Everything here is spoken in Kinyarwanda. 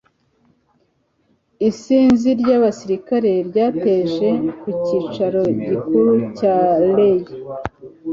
Isinzi ry'abasirikare ryategereje ku cyicaro gikuru cya Lee.